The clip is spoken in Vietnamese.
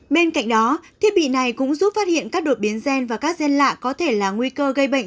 bên cạnh đó thiết bị này cũng giúp phát hiện các đột biến gen và các gen lạ có thể là nguy cơ gây bệnh